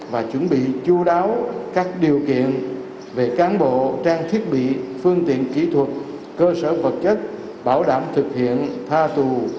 và chuẩn bị chú đáo các điều kiện về cán bộ trang thiết bị phương tiện kỹ thuật cơ sở vật chất bảo đảm thực hiện tha tù